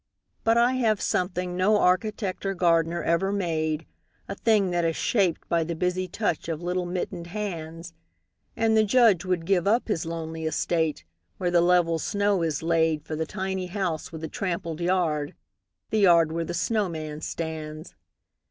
But I have something no architect or gardener ever made, A thing that is shaped by the busy touch of little mittened hands: And the Judge would give up his lonely estate, where the level snow is laid For the tiny house with the trampled yard, the yard where the snowman stands.